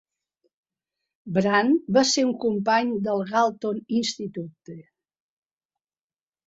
Brand va ser un company del Galton Institute.